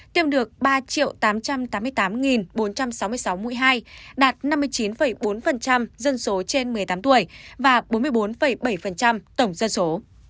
tiêm được ba tám trăm tám mươi tám bốn trăm sáu mươi sáu mũi hai đạt năm mươi chín bốn dân số trên một mươi tám tuổi và bốn mươi bốn bảy tổng dân số